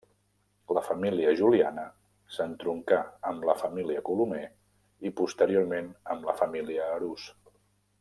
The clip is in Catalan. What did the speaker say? La família Juliana s'entroncà amb la família Colomer i posteriorment amb la família Arús.